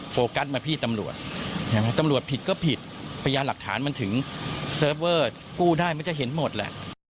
โฟกัสมาพี่ตำรวจตำรวจผิดก็ผิดพยานหลักฐานมันถึงเซิร์ฟเวอร์กู้ได้มันจะเห็นหมดแหละ